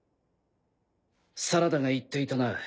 サラダが言っていたな。